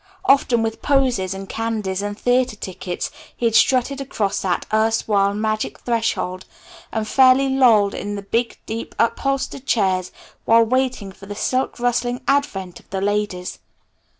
Often with posies and candies and theater tickets he had strutted across that erstwhile magic threshold and fairly lolled in the big deep upholstered chairs while waiting for the silk rustling advent of the ladies.